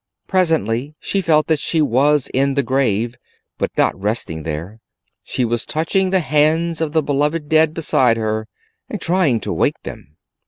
Presently she felt that she was in the grave, but not resting there: she was touching the hands of the beloved dead beside her, and trying to wake them.